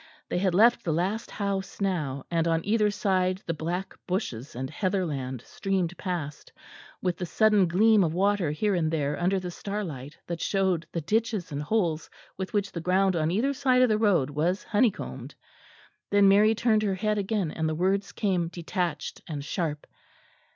They had left the last house now, and on either side the black bushes and heatherland streamed past, with the sudden gleam of water here and there under the starlight that showed the ditches and holes with which the ground on either side of the road was honeycombed. Then Mary turned her head again, and the words came detached and sharp.